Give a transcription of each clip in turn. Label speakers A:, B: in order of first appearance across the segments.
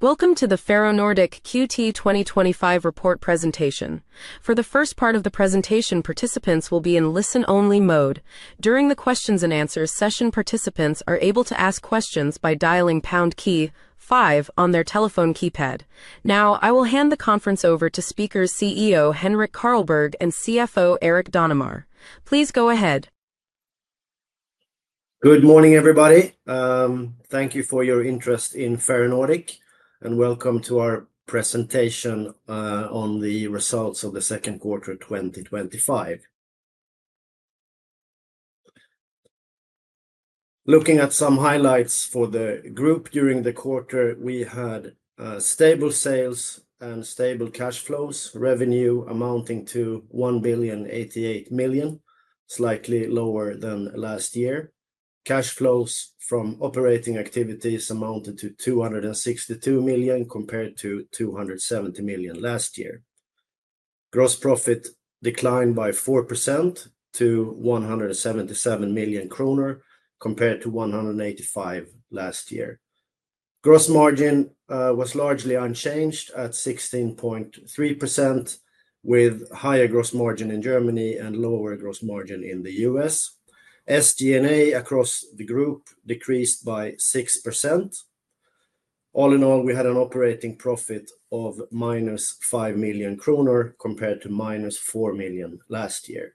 A: Welcome to the Ferronordic QT 2025 Report Presentation. For the first part of the presentation, participants will be in listen-only mode. During the questions and answers session, participants are able to ask questions by dialing the pound key five on their telephone keypad. Now, I will hand the conference over to speakers CEO Henrik Carlborg and CFO Erik Danemar. Please go ahead.
B: Good morning, everybody. Thank you for your interest in Ferronordic and welcome to our presentation on the results of the second quarter 2025. Looking at some highlights for the group during the quarter, we had stable sales and stable cash flows. Revenue amounted to 1.088 billion, slightly lower than last year. Cash flows from operating activities amounted to 262 million compared to 270 million last year. Gross profit declined by 4% to 177 million kronor compared to 185 million last year. Gross margin was largely unchanged at 16.3%, with higher gross margin in Germany and lower gross margin in the U.S. SG&A across the group decreased by 6%. All in all, we had an operating profit of -5 million kronor compared to -4 million last year.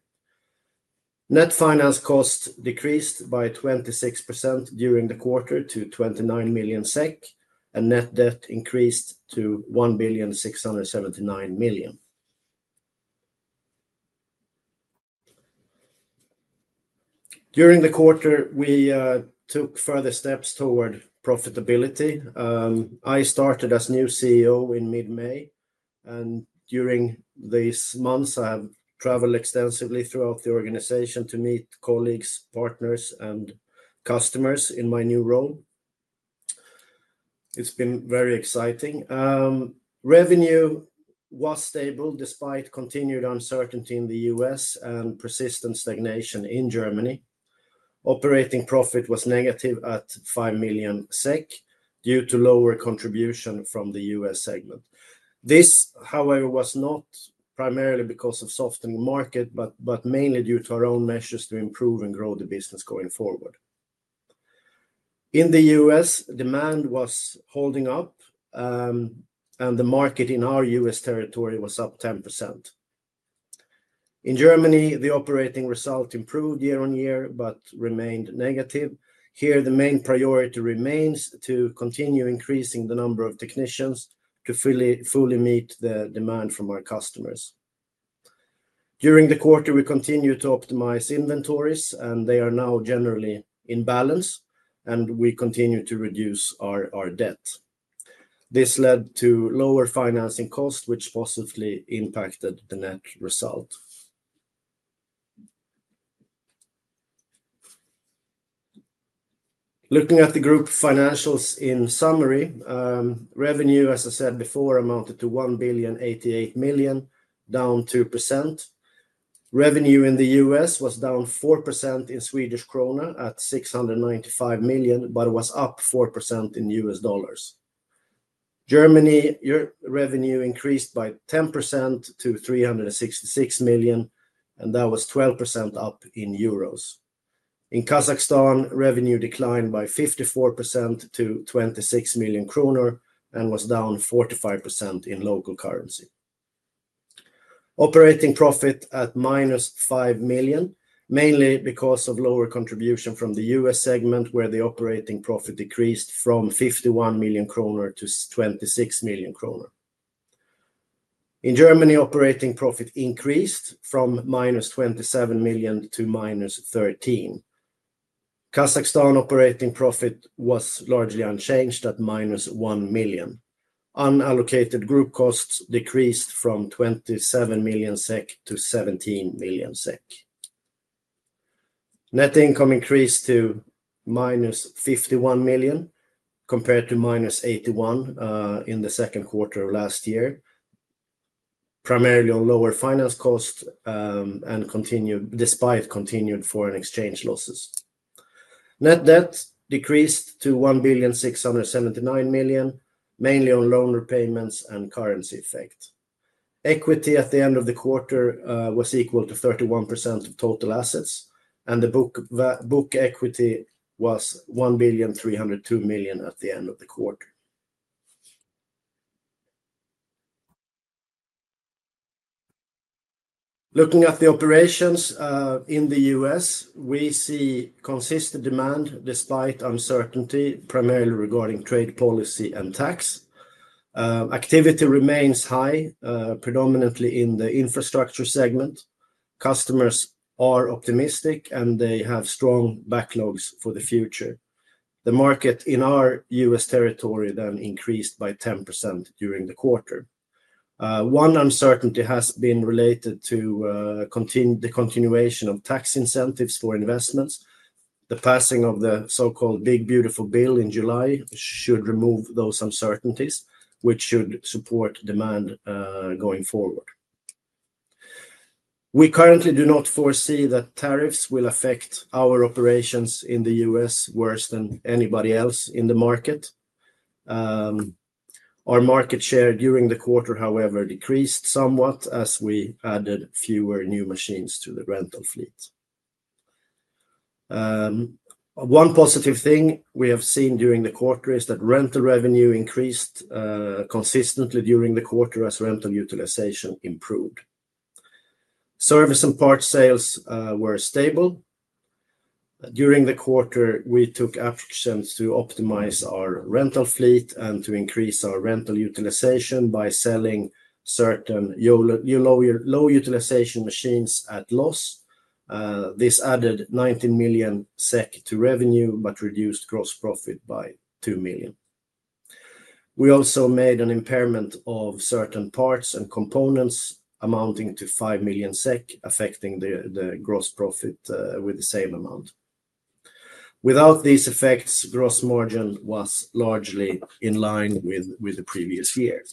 B: Net finance costs decreased by 26% during the quarter to 29 million SEK, and net debt increased to 1.679 billion. During the quarter, we took further steps toward profitability. I started as new CEO in mid-May, and during these months, I have traveled extensively throughout the organization to meet colleagues, partners, and customers in my new role. It's been very exciting. Revenue was stable despite continued uncertainty in the U.S. and persistent stagnation in Germany. Operating profit was negative at 5 million SEK due to lower contribution from the U.S. segment. This, however, was not primarily because of softening the market, but mainly due to our own measures to improve and grow the business going forward. In the U.S., demand was holding up, and the market in our U.S. territory was up 10%. In Germany, the operating result improved year on year but remained negative. Here, the main priority remains to continue increasing the number of technicians to fully meet the demand from our customers. During the quarter, we continued to optimize inventories, and they are now generally in balance, and we continue to reduce our debt. This led to lower financing costs, which positively impacted the net result. Looking at the group financials in summary, revenue, as I said before, amounted to 1.088 billion, down 2%. Revenue in the U.S. was down 4% in Swedish kronor at 695 million, but was up 4% in U.S. dollars. In Germany, revenue increased by 10% to 366 million, and that was 12% up in Euros. In Kazakhstan, revenue declined by 54% to 26 million kronor and was down 45% in local currency. Operating profit at -5 million mainly because of lower contribution from the U.S. segment, where the operating profit decreased from 51 million kronor to 26 million kronor. In Germany, operating profit increased from -27 million to -13 million. In Kazakhstan, operating profit was largely unchanged at -1 million. Unallocated group costs decreased from 27 million SEK to 17 million SEK. Net income increased to -51 million compared to -81 million in the second quarter of last year, primarily on lower finance costs, and continued despite continued foreign exchange losses. Net debt decreased to 1.679 billion, mainly on loan repayments and currency effects. Equity at the end of the quarter was equal to 31% of total assets, and the book equity was 1.302 billion at the end of the quarter. Looking at the operations, in the U.S., we see consistent demand despite uncertainty, primarily regarding trade policy and tax. Activity remains high, predominantly in the infrastructure segment. Customers are optimistic, and they have strong backlogs for the future. The market in our U.S. territory then increased by 10% during the quarter. One uncertainty has been related to the continuation of tax incentives for investments. The passing of the so-called Big Beautiful Bill in July should remove those uncertainties, which should support demand going forward. We currently do not foresee that tariffs will affect our operations in the U.S. worse than anybody else in the market. Our market share during the quarter, however, decreased somewhat as we added fewer new machines to the rental fleet. One positive thing we have seen during the quarter is that rental revenue increased consistently during the quarter as rental utilization improved. Service and parts sales were stable. During the quarter, we took actions to optimize our rental fleet and to increase our rental utilization by selling certain low utilization machines at a loss. This added 19 million SEK to revenue but reduced gross profit by 2 million. We also made an impairment of certain parts and components amounting to 5 million SEK, affecting the gross profit with the same amount. Without these effects, gross margin was largely in line with the previous year.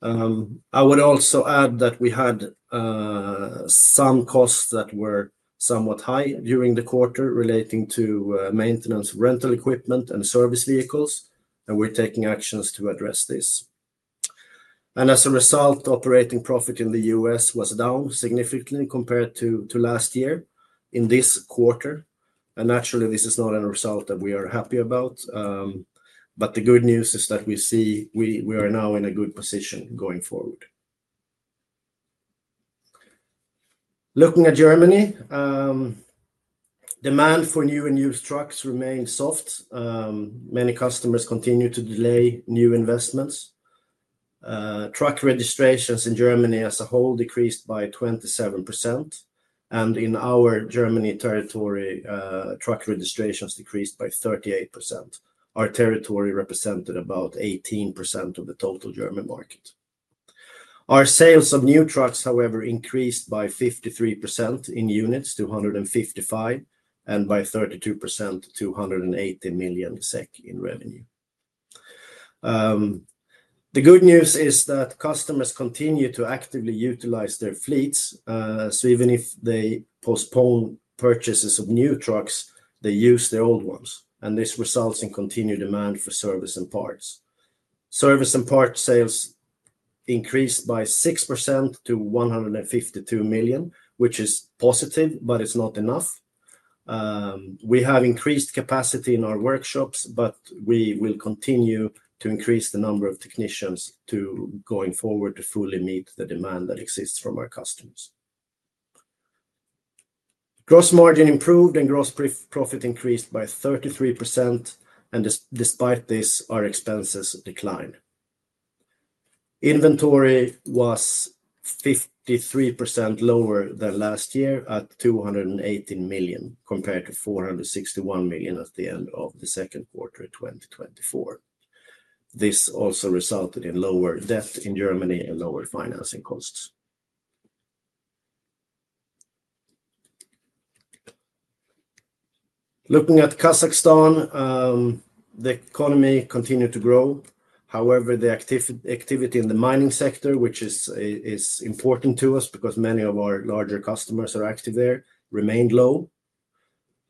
B: I would also add that we had some costs that were somewhat high during the quarter relating to maintenance of rental equipment and service vehicles, and we're taking actions to address this. As a result, operating profit in the U.S. was down significantly compared to last year in this quarter. Naturally, this is not a result that we are happy about, but the good news is that we see we are now in a good position going forward. Looking at Germany, demand for new and used trucks remains soft. Many customers continue to delay new investments. Truck registrations in Germany as a whole decreased by 27%. In our Germany territory, truck registrations decreased by 38%. Our territory represented about 18% of the total German market. Our sales of new trucks, however, increased by 53% in units to 155 million and by 32% to 180 million SEK in revenue. The good news is that customers continue to actively utilize their fleets. Even if they postpone purchases of new trucks, they use their old ones. This results in continued demand for service and parts. Service and parts sales increased by 6% to 152 million, which is positive, but it's not enough. We have increased capacity in our workshops, but we will continue to increase the number of technicians going forward to fully meet the demand that exists from our customers. Gross margin improved and gross profit increased by 33%. Despite this, our expenses declined. Inventory was 53% lower than last year at 218 million compared to 461 million at the end of the second quarter of 2024. This also resulted in lower debt in Germany and lower financing costs. Looking at Kazakhstan, the economy continued to grow. However, the activity in the mining sector, which is important to us because many of our larger customers are active there, remained low.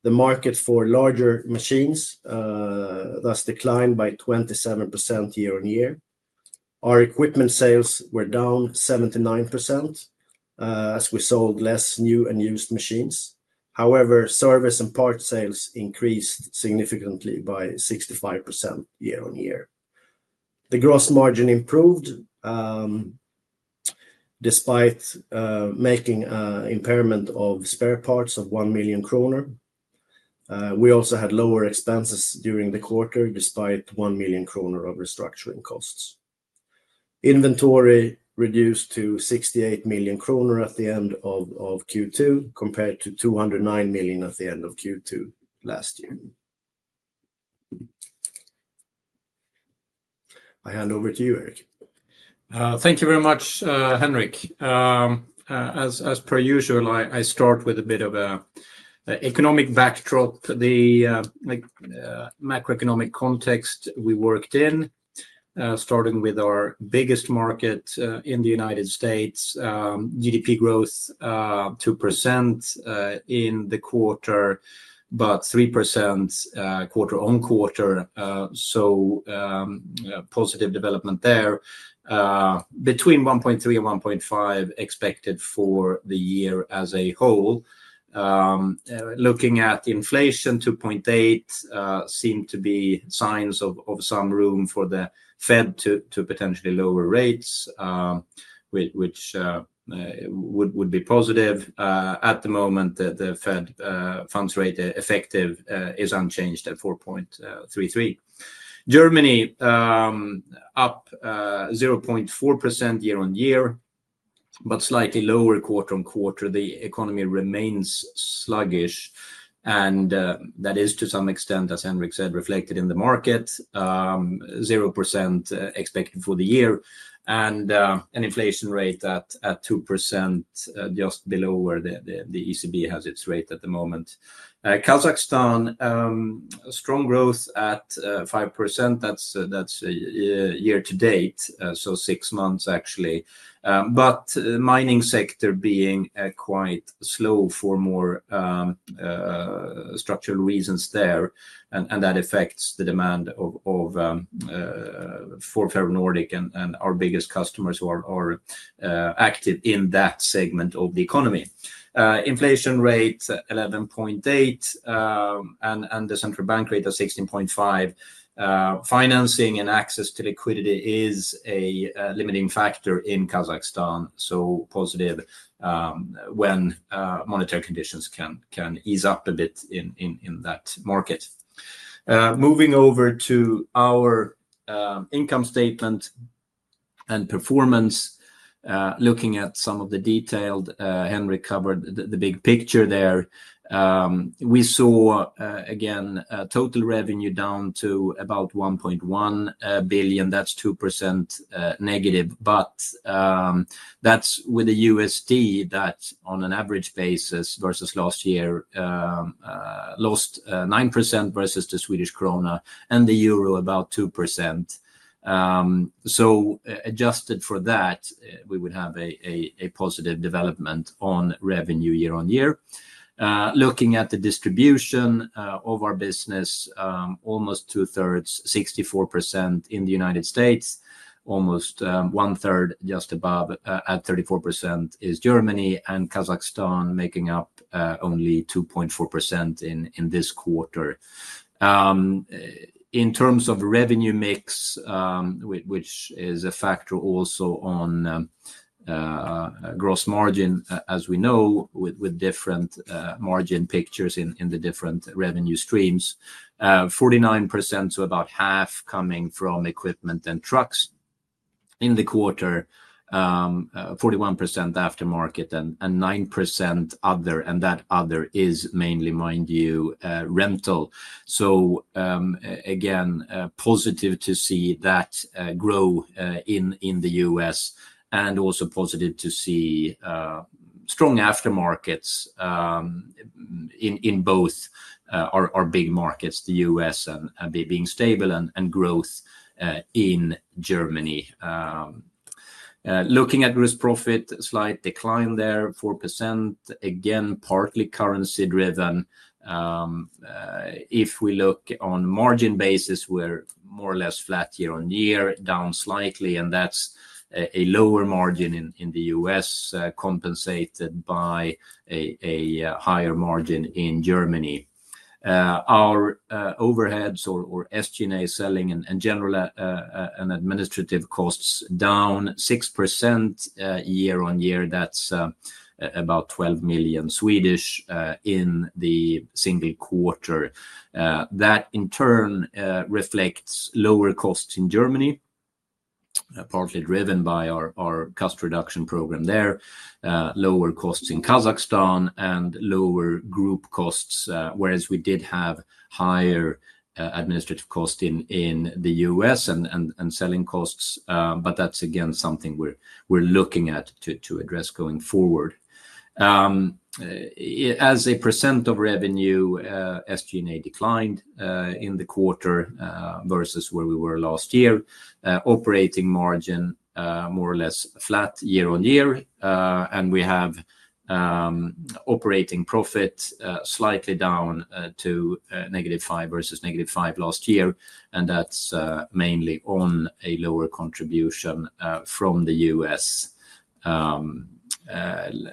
B: The market for larger machines thus declined by 27% year-on-year. Our equipment sales were down 79%, as we sold less new and used machines. However, service and parts sales increased significantly by 65% year-on-year. The gross margin improved, despite making an impairment of spare parts of 1 million kronor. We also had lower expenses during the quarter despite 1 million kronor of restructuring costs. Inventory reduced to 68 million kronor at the end of Q2 compared to 209 million at the end of Q2 last year. I hand over to you, Erik.
C: Thank you very much, Henrik. As per usual, I start with a bit of an economic backdrop to the macroeconomic context we worked in, starting with our biggest market in the United States, GDP growth 2% in the quarter, but 3% quarter-on-quarter. Positive development there. Between 1.3% and 1.5% expected for the year as a whole. Looking at inflation, 2.8%, seemed to be signs of some room for the Fed to potentially lower rates, which would be positive. At the moment, the Fed Funds Rate effective is unchanged at 4.33%. Germany up 0.4% year-on-year, but slightly lower quarter on quarter. The economy remains sluggish, and that is to some extent, as Henrik said, reflected in the market. 0% expected for the year and an inflation rate at 2%, just below where the ECB has its rate at the moment. Kazakhstan, strong growth at 5%. That's year to date, so six months actually. The mining sector being quite slow for more structural reasons there, and that affects the demand for Ferronordic and our biggest customers who are active in that segment of the economy. Inflation rate 11.8%, and the central bank rate at 16.5%. Financing and access to liquidity is a limiting factor in Kazakhstan, so positive when monetary conditions can ease up a bit in that market. Moving over to our income statement and performance, looking at some of the detail, Henrik covered the big picture there. We saw, again, total revenue down to about 1.1 billion. That's 2% negative, but that's with the USD that on an average basis versus last year, lost 9% versus the Swedish krona and the Euro about 2%. Adjusted for that, we would have a positive development on revenue year-on-year. Looking at the distribution of our business, almost 2/3, 64% in the United States. Almost 1/3, just above at 34%, is Germany, and Kazakhstan making up only 2.4% in this quarter. In terms of revenue mix, which is a factor also on gross margin, as we know, with different margin pictures in the different revenue streams, 49% to about half coming from equipment and trucks in the quarter, 41% aftermarket, and 9% other, and that other is mainly, mind you, rental. Positive to see that grow in the United States and also positive to see strong aftermarket in both our big markets, the United States and being stable and growth in Germany. Looking at gross profit, slight decline there, 4%. Partly currency driven. If we look on margin basis, we're more or less flat year on year, down slightly, and that's a lower margin in the United States compensated by a higher margin in Germany. Our overheads or SG&A, selling, general, and administrative costs, down 6% year-on-year. That's about 12 million in the single quarter. That in turn reflects lower costs in Germany, partly driven by our cost reduction program there, lower costs in Kazakhstan, and lower group costs, whereas we did have higher administrative costs in the U.S. and selling costs. That's again something we're looking at to address going forward. As a % of revenue, SG&A declined in the quarter versus where we were last year. Operating margin more or less flat year on year, and we have operating profit slightly down to negative five versus negative five last year, and that's mainly on a lower contribution from the U.S.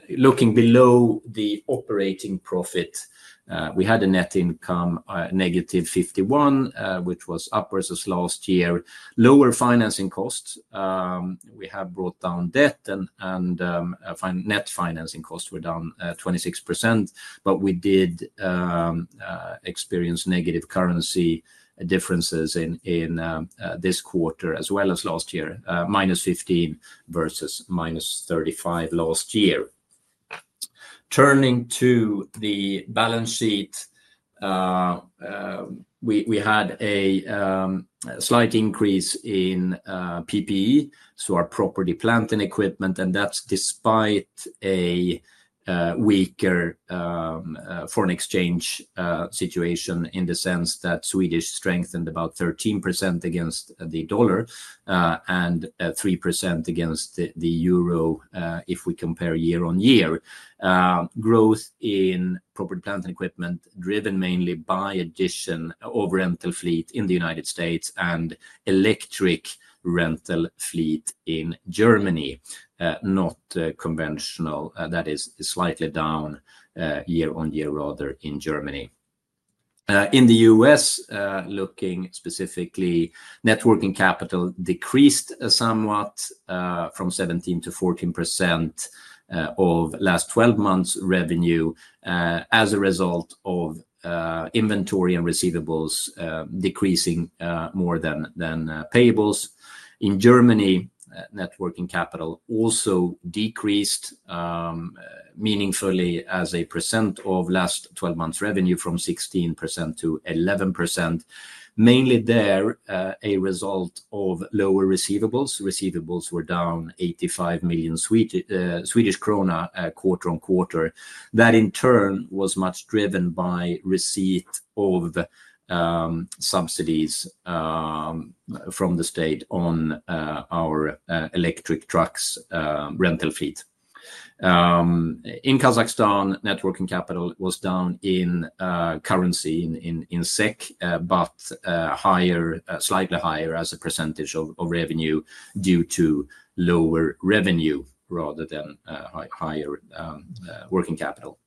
C: Looking below the operating profit, we had a net income of -51, which was up versus last year. Lower financing costs. We have brought down debt, and net finance costs were down 26%, but we did experience negative currency differences in this quarter as well as last year, -15 versus -35 last year. Turning to the balance sheet, we had a slight increase in PPE, so our property, plant, and equipment, and that's despite a weaker foreign exchange situation in the sense that Swedish strengthened about 13% against the dollar and 3% against the euro if we compare year on year. Growth in property, plant, and equipment driven mainly by addition of rental fleet in the United States and electric rental fleet in Germany, not conventional. That is slightly down year on year rather in Germany. In the U.S., looking specifically, net working capital decreased somewhat from 17%-14% of last 12 months revenue as a result of inventory and receivables decreasing more than payables. In Germany, net working capital also decreased meaningfully as a % of last 12 months revenue from 16%-11%. Mainly there, a result of lower receivables. Receivables were down 85 million Swedish krona quarter on quarter. That in turn was much driven by receipt of subsidies from the state on our electric trucks rental fleet. In Kazakhstan, net working capital was down in currency in SEK, but slightly higher as a % of revenue due to lower revenue rather than higher working capital.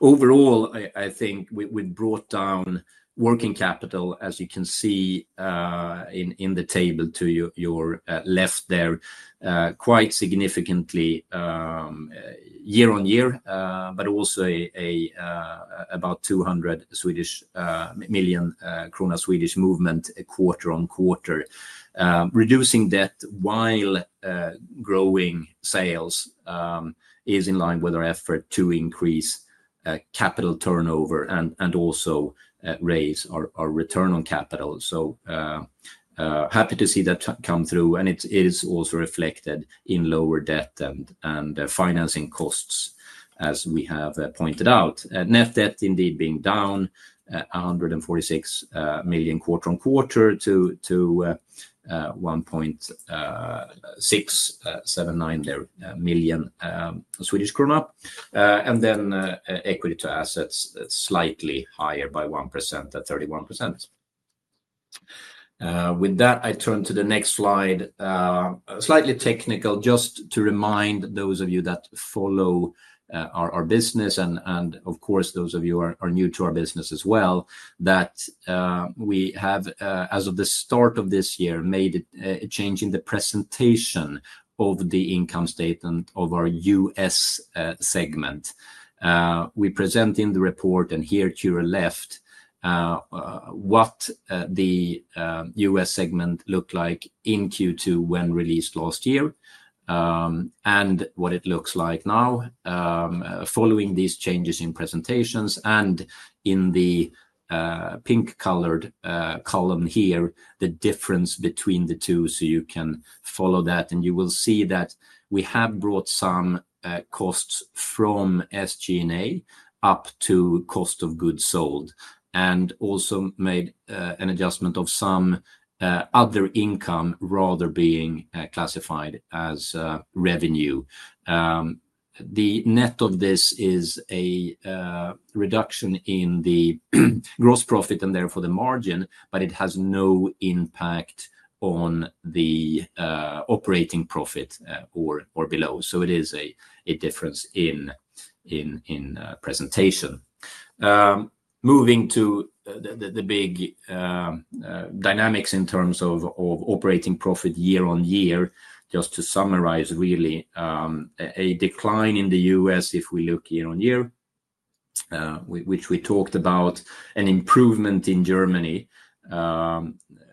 C: Overall, I think we brought down working capital, as you can see in the table to your left there, quite significantly year on year, but also about 200 million krona movement quarter on quarter. Reducing debt while growing sales is in line with our effort to increase capital turnover and also raise our return on capital. Happy to see that come through, and it is also reflected in lower debt and financing costs, as we have pointed out. Net debt indeed being down 146 million quarter-on-quarter to 1.679 million Swedish krona. Equity to assets slightly higher by 1% at 31%. With that, I turn to the next slide, slightly technical, just to remind those of you that follow our business, and of course, those of you who are new to our business as well, that we have, as of the start of this year, made a change in the presentation of the income statement of our U.S. segment. We present in the report, and here to your left, what the U.S. segment looked like in Q2 when released last year and what it looks like now following these changes in presentations. In the pink-colored column here, the difference between the two, so you can follow that, and you will see that we have brought some costs from SG&A up to cost of goods sold and also made an adjustment of some other income rather being classified as revenue. The net of this is a reduction in the gross profit and therefore the margin, but it has no impact on the operating profit or below. It is a difference in presentation. Moving to the big dynamics in terms of operating profit year on year, just to summarize, really, a decline in the U.S. if we look year on year, which we talked about, an improvement in Germany,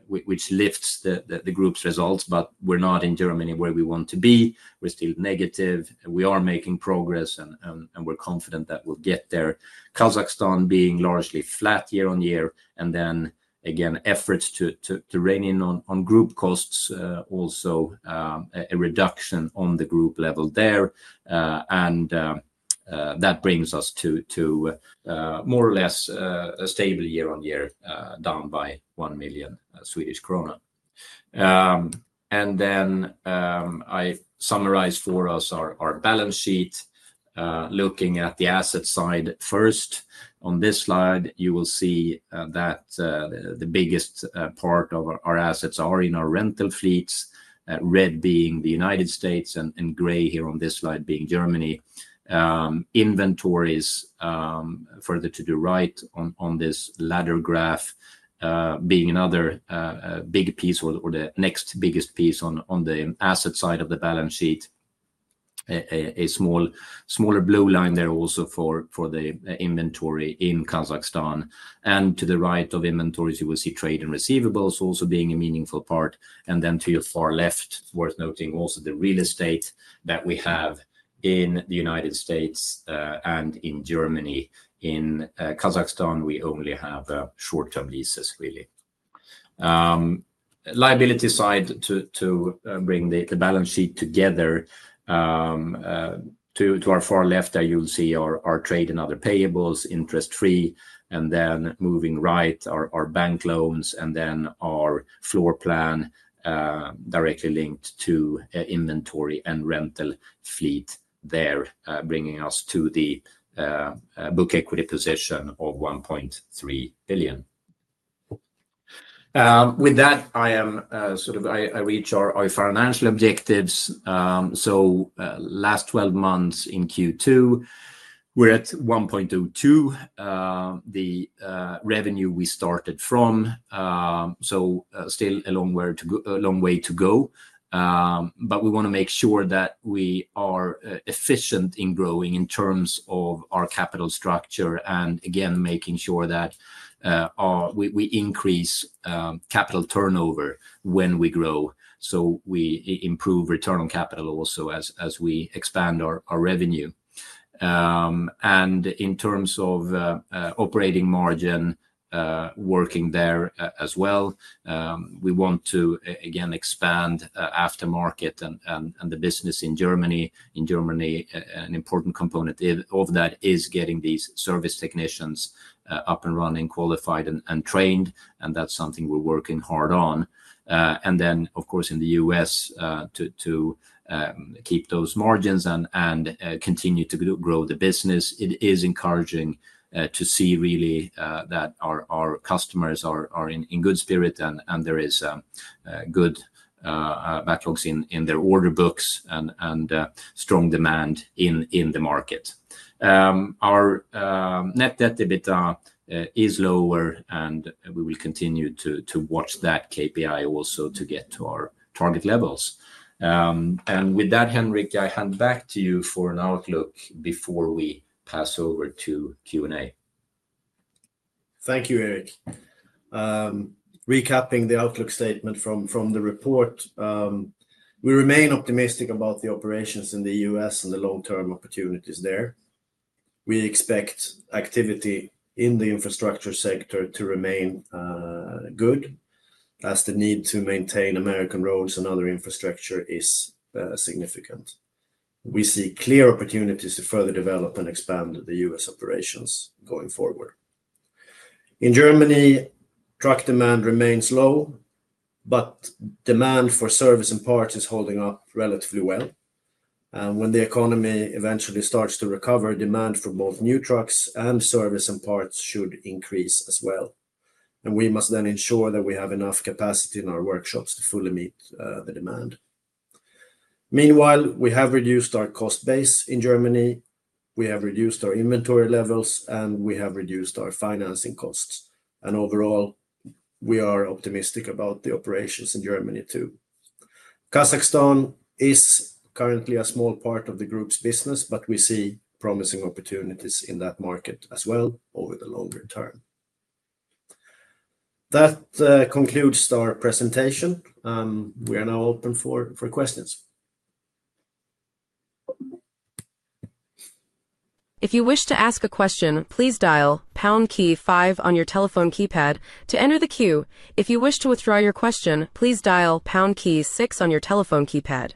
C: which lifts the group's results, but we're not in Germany where we want to be. We're still negative. We are making progress, and we're confident that we'll get there. Kazakhstan being largely flat year on year, and again, efforts to rein in on group costs, also a reduction on the group level there. That brings us to more or less a stable year on year, down by 1 million Swedish krona. I summarized for us our balance sheet. Looking at the asset side first, on this slide, you will see that the biggest part of our assets are in our rental fleets, red being the United States and gray here on this slide being Germany. Inventories, further to the right on this ladder graph, being another big piece or the next biggest piece on the asset side of the balance sheet. A smaller blue line there also for the inventory in Kazakhstan. To the right of inventories, you will see trade and receivables also being a meaningful part. To your far left, worth noting also the real estate that we have in the United States and in Germany. In Kazakhstan, we only have short-term leases, really. Liability side to bring the balance sheet together. To our far left, you'll see our trade and other payables, interest-free, and then moving right, our bank loans and then our floor plan directly linked to inventory and rental fleet there, bringing us to the book equity position of 1.3 billion. With that, I reach our financial objectives. Last 12 months in Q2, we're at 1.02 billion, the revenue we started from. Still a long way to go, but we want to make sure that we are efficient in growing in terms of our capital structure and again making sure that we increase capital turnover when we grow. We improve return on capital also as we expand our revenue. In terms of operating margin, working there as well, we want to again expand aftermarket and the business in Germany. In Germany, an important component of that is getting these service technicians up and running, qualified and trained, and that's something we're working hard on. Of course, in the U.S., to keep those margins and continue to grow the business, it is encouraging to see really that our customers are in good spirit and there are good backlogs in their order books and strong demand in the market. Our net debt debitor is lower, and we will continue to watch that KPI also to get to our target levels. With that, Henrik, I hand back to you for an outlook before we pass over to Q&A.
B: Thank you, Erik. Recapping the outlook statement from the report, we remain optimistic about the operations in the U.S. and the long-term opportunities there. We expect activity in the infrastructure sector to remain good as the need to maintain American roads and other infrastructure is significant. We see clear opportunities to further develop and expand the U.S. operations going forward. In Germany, truck demand remains low, but demand for service and parts is holding up relatively well. When the economy eventually starts to recover, demand for both new trucks and service and parts should increase as well. We must then ensure that we have enough capacity in our workshops to fully meet the demand. Meanwhile, we have reduced our cost base in Germany. We have reduced our inventory levels, and we have reduced our financing costs. Overall, we are optimistic about the operations in Germany too. Kazakhstan is currently a small part of the group's business, but we see promising opportunities in that market as well over the longer term. That concludes our presentation. We are now open for questions.
A: If you wish to ask a question, please dial pound key five on your telephone keypad to enter the queue. If you wish to withdraw your question, please dial pound key six on your telephone keypad.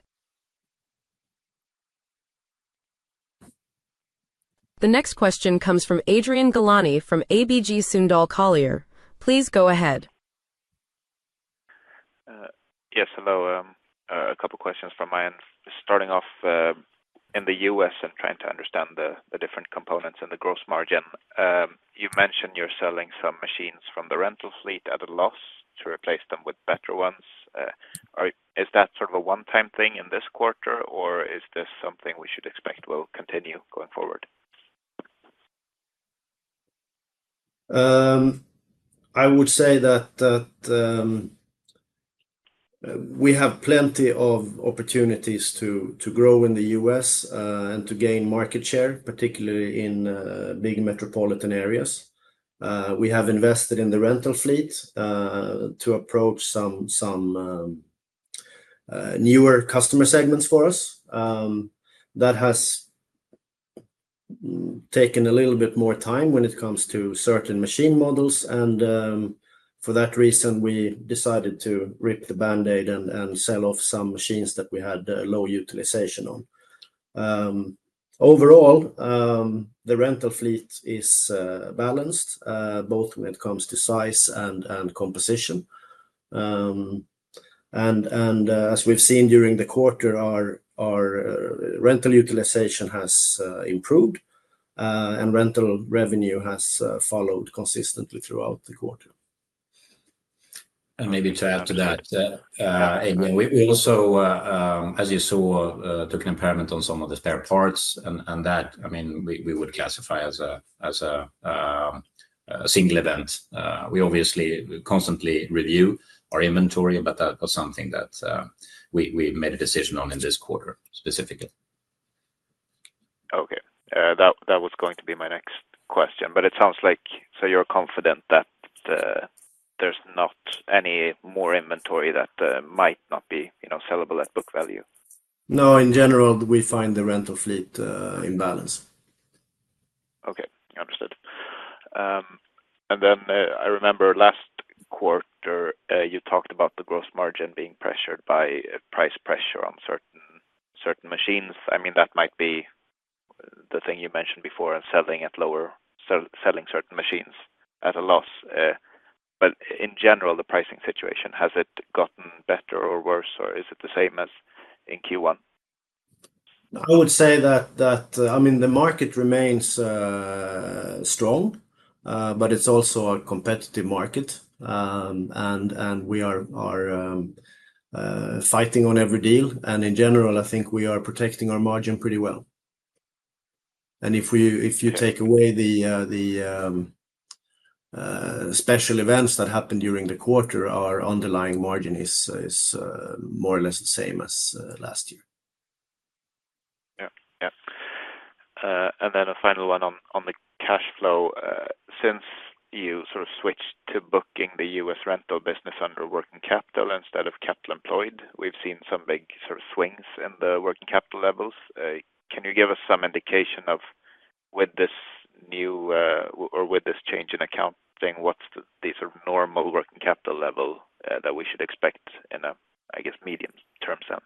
A: The next question comes from Adrian Gilani from ABG Sundal Collier. Please go ahead.
D: Yes, hello. A couple of questions from my end. Starting off in the U.S. and trying to understand the different components and the gross margin, you mentioned you're selling some machines from the rental fleet at a loss to replace them with better ones. Is that sort of a one-time thing in this quarter, or is this something we should expect will continue going forward?
B: I would say that we have plenty of opportunities to grow in the U.S. and to gain market share, particularly in big metropolitan areas. We have invested in the rental fleet to approach some newer customer segments for us. That has taken a little bit more time when it comes to certain machine models, and for that reason, we decided to rip the Band-Aid and sell off some machines that we had low utilization on. Overall, the rental fleet is balanced, both when it comes to size and composition. As we've seen during the quarter, our rental utilization has improved, and rental revenue has followed consistently throughout the quarter.
C: Maybe to add to that, Abraham, we also, as you saw, took an impairment on some of the spare parts. That, I mean, we would classify as a single event. We obviously constantly review our inventory, but that was something that we made a decision on in this quarter specifically.
D: Okay. That was going to be my next question, but it sounds like you're confident that there's not any more inventory that might not be sellable at book value?
B: No, in general, we find the rental fleet in balance.
D: Okay. Understood. I remember last quarter, you talked about the gross margin being pressured by price pressure on certain machines. I mean, that might be the thing you mentioned before and selling at lower, selling certain machines at a loss. In general, the pricing situation, has it gotten better or worse, or is it the same as in Q1?
B: I would say that the market remains strong, but it's also a competitive market, and we are fighting on every deal. In general, I think we are protecting our margin pretty well. If you take away the special events that happened during the quarter, our underlying margin is more or less the same as last year.
D: Yeah. And then a final one on the cash flow. Since you sort of switched to booking the U.S. rental business under working capital instead of capital employed, we've seen some big swings in the working capital levels. Can you give us some indication of, with this new or with this change in accounting, what's the sort of normal working capital level that we should expect in a, I guess, medium-term sense?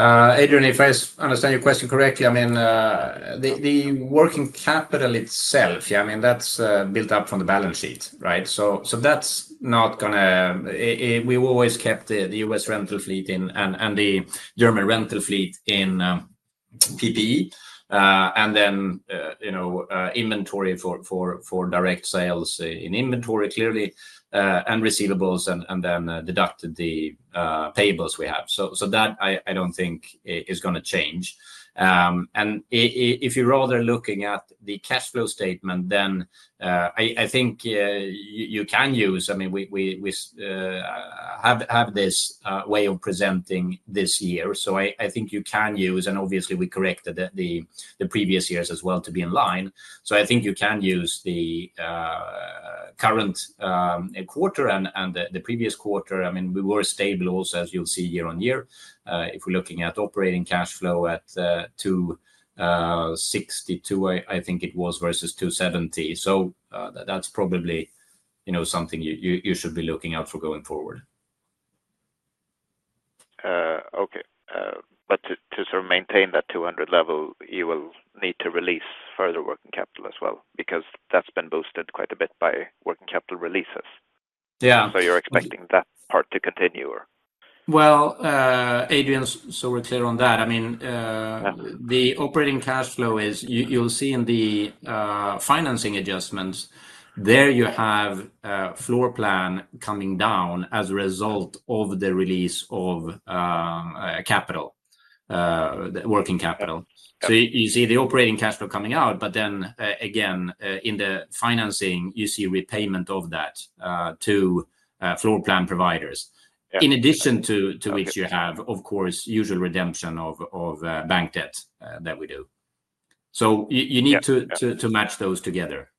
C: Adrian, if I understand your question correctly, I mean, the working capital itself, yeah, I mean, that's built up from the balance sheet, right? That's not going to, we've always kept the U.S. rental fleet and the German rental fleet in PPE, and then inventory for direct sales in inventory clearly, and receivables, and then deducted the payables we have. That I don't think is going to change. If you're rather looking at the cash flow statement, then I think you can use, I mean, we have this way of presenting this year. I think you can use, and obviously, we corrected the previous years as well to be in line. I think you can use the current quarter and the previous quarter. I mean, we were stable also, as you'll see, year on year. If we're looking at operating cash flow at 262 million, I think it was versus 270 million. That's probably something you should be looking out for going forward.
D: To sort of maintain that 200 level, you will need to release further working capital as well, because that's been boosted quite a bit by working capital releases.
C: Yeah.
D: You're expecting that part to continue?
C: Adrian, so we're clear on that. I mean, the operating cash flow is, you'll see in the financing adjustments, there you have floor plan coming down as a result of the release of capital, working capital. You see the operating cash flow coming out, but then again, in the financing, you see repayment of that to floor plan providers, in addition to which you have, of course, usual redemption of bank debt that we do. You need to match those together.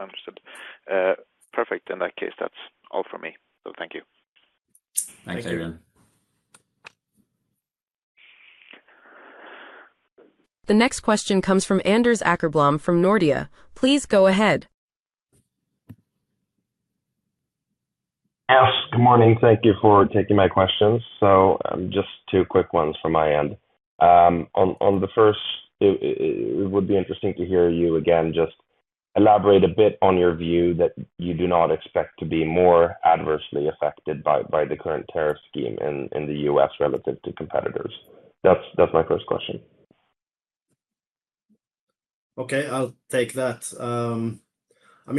D: Understood. Perfect. In that case, that's all from me. Thank you.
C: Thanks, Adrian.
A: The next question comes from Anders Åckerblom from Nordea. Please go ahead.
E: Yes. Good morning. Thank you for taking my questions. Just two quick ones from my end. On the first, it would be interesting to hear you again just elaborate a bit on your view that you do not expect to be more adversely affected by the current tariff scheme in the U.S. relative to competitors. That's my first question.
B: Okay. I'll take that.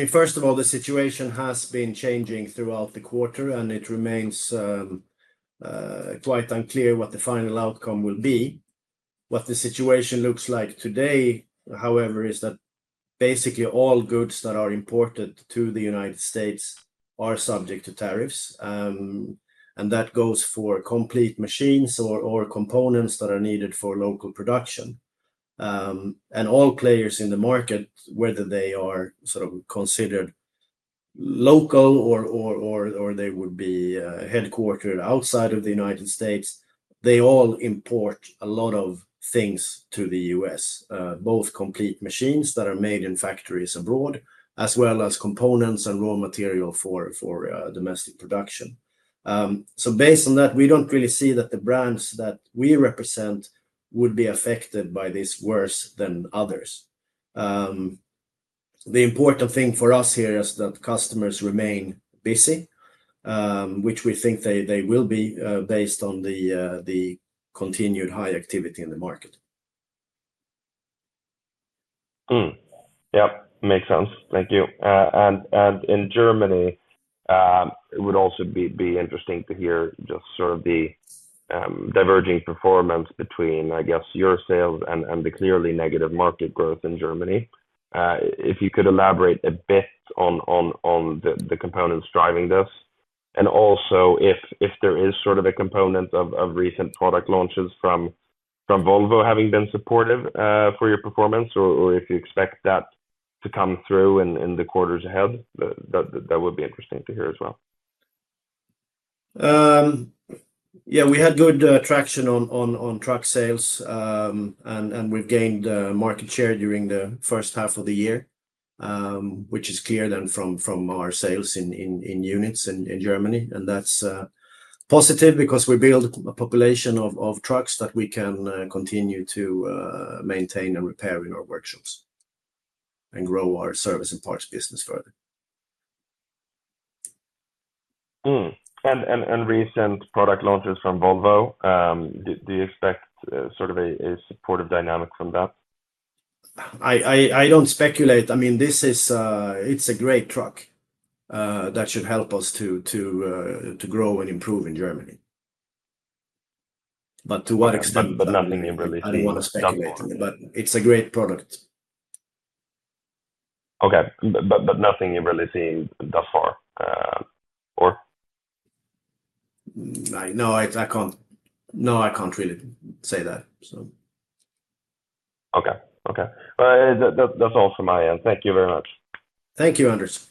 B: First of all, the situation has been changing throughout the quarter, and it remains quite unclear what the final outcome will be. What the situation looks like today, however, is that basically all goods that are imported to the United States are subject to tariffs. That goes for complete machines or components that are needed for local production. All players in the market, whether they are sort of considered local or they would be headquartered outside of the United States, they all import a lot of things to the U.S., both complete machines that are made in factories abroad, as well as components and raw material for domestic production. Based on that, we don't really see that the brands that we represent would be affected by this worse than others. The important thing for us here is that customers remain busy, which we think they will be based on the continued high activity in the market.
E: Makes sense. Thank you. In Germany, it would also be interesting to hear just sort of the diverging performance between, I guess, your sales and the clearly negative market growth in Germany. If you could elaborate a bit on the components driving this, and also if there is sort of a component of recent product launches from Volvo having been supportive for your performance, or if you expect that to come through in the quarters ahead, that would be interesting to hear as well.
B: Yeah. We had good traction on truck sales, and we've gained market share during the first half of the year, which is clear from our sales in units in Germany. That's positive because we build a population of trucks that we can continue to maintain and repair in our workshops and grow our service and parts business further.
E: Recent product launches from Volvo, do you expect sort of a supportive dynamic from that?
B: I don't speculate. I mean, this is a great truck that should help us to grow and improve in Germany. To what extent?
E: Nothing you really see.
B: I don't want to speculate, but it's a great product.
E: Okay. Nothing you really see thus far, or?
B: No, I can't really say that.
E: Okay. Okay. That's all from my end. Thank you very much.
B: Thank you, Anders.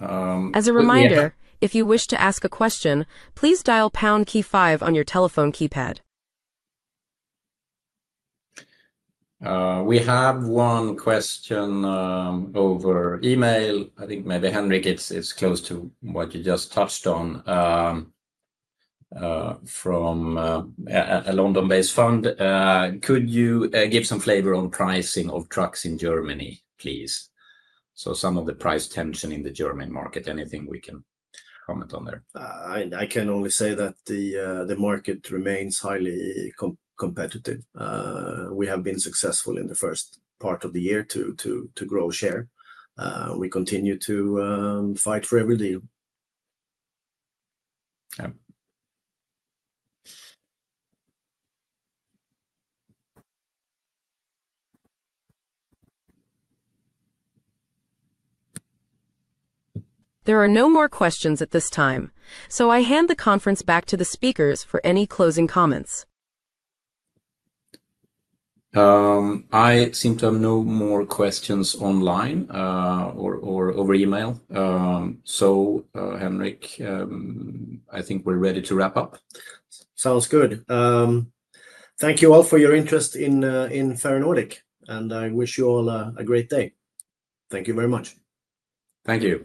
A: As a reminder, if you wish to ask a question, please dial the pound key five on your telephone keypad.
C: We have one question over email. I think maybe Henrik, it's close to what you just touched on from a London-based fund. Could you give some flavor on pricing of trucks in Germany, please? Some of the price tension in the German market, anything we can comment on there?
B: I can only say that the market remains highly competitive. We have been successful in the first part of the year to grow share. We continue to fight for every deal.
A: There are no more questions at this time. I hand the conference back to the speakers for any closing comments.
C: I seem to have no more questions online or over email. Henrik, I think we're ready to wrap up.
B: Sounds good. Thank you all for your interest in Ferronordic, and I wish you all a great day. Thank you very much.
C: Thank you.